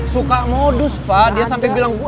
suka modus fah dia sampe bilang